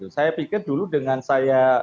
saya pikir dulu dengan saya